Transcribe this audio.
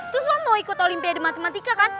terus lah mau ikut olimpiade matematika kan